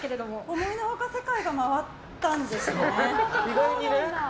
思いの外世界が回ったんですね。